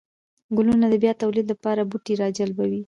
گلونه د بيا توليد لپاره بوټي راجلبوي